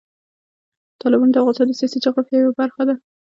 تالابونه د افغانستان د سیاسي جغرافیه یوه برخه ده.